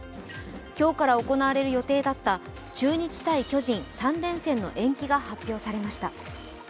今日から行われる予定だった中日対巨人３連戦の延期が発表されました。